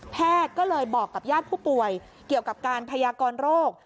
ก็เลยบอกกับญาติผู้ป่วยเกี่ยวกับการพยากรโรค